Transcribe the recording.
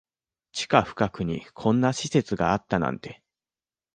地下深くにこんな施設があったなんて